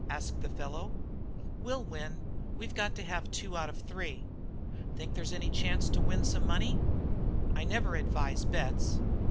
asked the fellow. "We'll win. We've got to have two out of three." "Think there's any chance to win some money?" "I never advise bets."